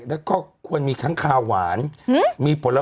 แล้วก็ควรมีทั้งคาหวานมีผล